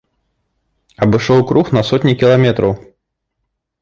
Абышоў круг на сотні кіламетраў.